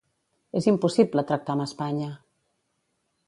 És impossible tractar amb Espanya!